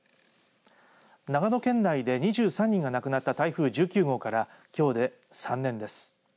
長野県内で２３人が亡くなった台風１９号からきょうで３年です。